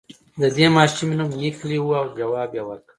د دې ماشومې نوم ميکلي و او ځواب يې ورکړ.